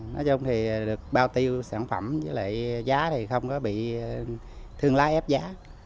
nói chung thì được bao tiêu sản phẩm với lại giá thì không có bị thương lái ép giá